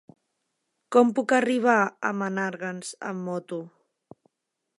Com puc arribar a Menàrguens amb moto?